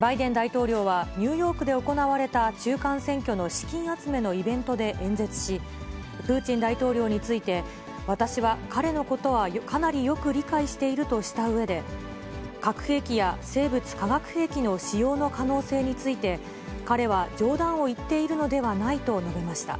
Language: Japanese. バイデン大統領はニューヨークで行われた中間選挙の資金集めのイベントで演説し、プーチン大統領について、私は彼のことはかなりよく理解しているとしたうえで、核兵器や生物・化学兵器の使用の可能性について、彼は冗談を言っているのではないと述べました。